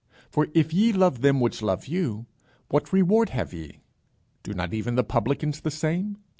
For if ye love them which love you, what reward have ye? do not even the publicans the same?